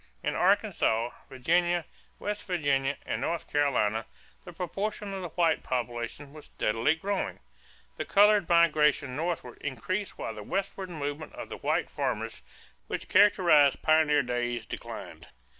In Arkansas, Virginia, West Virginia, and North Carolina the proportion of the white population was steadily growing. The colored migration northward increased while the westward movement of white farmers which characterized pioneer days declined.